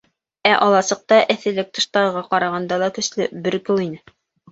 Ә аласыҡта эҫелек тыштағыға ҡарағанда ла көслө, бөркөү ине.